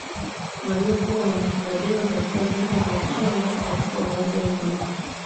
waliokuwa wanahifadhiwa katika vyumba vya chini katika uwanja huo